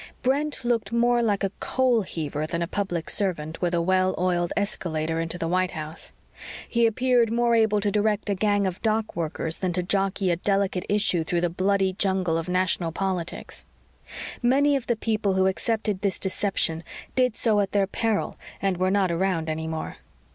Brent looked more like a coal heaver than a public servant with a well oiled escalator into the White House. He appeared more able to direct a gang of dock workers than to jockey a delicate issue through the bloody jungle of national politics. Many of the people who accepted this deception did so at their peril and were not around any more.